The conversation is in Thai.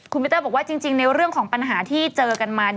คุณพิเตอร์บอกว่าจริงในเรื่องของปัญหาที่เจอกันมา